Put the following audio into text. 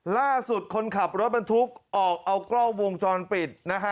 ล่าสุดคนขับรถบรรทุกออกเอากล้องวงจรปิดนะฮะ